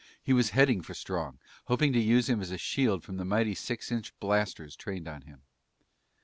He was heading for Strong, hoping to use him as a shield from the mighty six inch blasters trained on him.